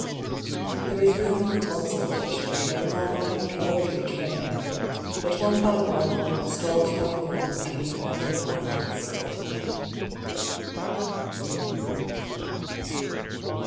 There is room in the halls of pleasure For a long and lordly train; But one by one We must all file on Through the narrow aisles of pain.